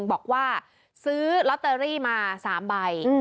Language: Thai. บอกว่าซื้อลอตเตอรี่มา๓ใบ